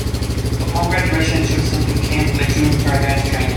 Upon graduation, she was sent to Camp Lejeune for advanced training.